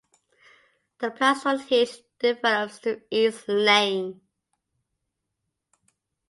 A plastron hinge develops to ease laying.